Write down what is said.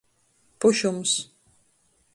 Pušums.